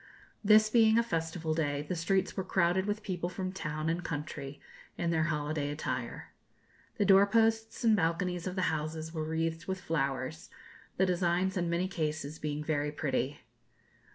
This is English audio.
This being a festival day, the streets were crowded with people from town and country, in their holiday attire. The door posts and balconies of the houses were wreathed with flowers, the designs in many cases being very pretty.